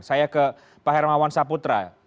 saya ke pak hermawan saputra